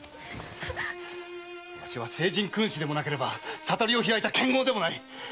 わしは聖人君子でもなければ悟りを開いた剣豪でもない。